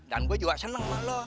dan gue juga seneng sama lo